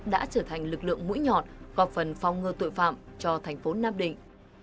đã trở thành lực lượng mũi nhọt gọp phần phong ngừa tội phạm cho thành phố nam định